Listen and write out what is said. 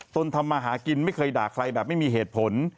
ทำมาหากินไม่เคยด่าใครแบบไม่มีเหตุผล